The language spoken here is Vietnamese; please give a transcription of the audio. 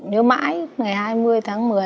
nhớ mãi ngày hai mươi tháng một mươi